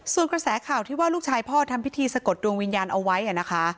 ส่วนกระแสข่าวที่ว่าลูกชายพ่อทำพิธีสะกดดวงวิญญาณเอาไว้นะคะ